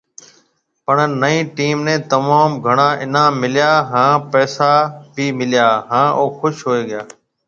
پڻ نئين ٽيم ني تموم گھڻا انعام مليا هان پئسا بِي مليا هان او خوش هوئي گيا